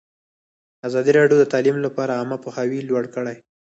ازادي راډیو د تعلیم لپاره عامه پوهاوي لوړ کړی.